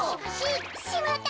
しまった！